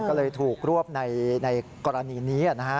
ก็เลยถูกรวบในกรณีนี้นะฮะ